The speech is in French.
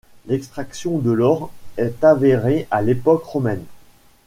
L'extraction de l'or est avérée à l'époque romaine.